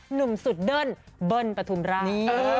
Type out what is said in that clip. หนุ่มสุดเดิ้นเบิ้ลปฐุมราช